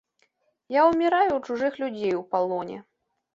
Я ўміраю ў чужых людзей у палоне.